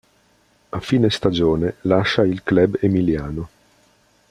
A fine stagione lascia il club emiliano.